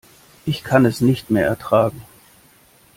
Ich kann es nicht mehr ertragen.